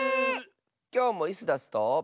きょうもイスダスと。